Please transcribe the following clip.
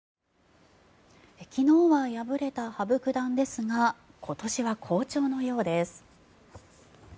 昨日は敗れた羽生九段ですが今年は好調のようです。